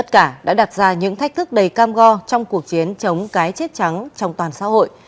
kết thúc đầy cam go trong cuộc chiến chống cái chết trắng trong toàn xã hội